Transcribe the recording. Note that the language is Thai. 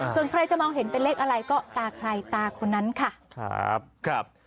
ส่วนใครจะมองเห็นเป็นเลขอะไรก็ตาใครตาคนนั้นค่ะครับ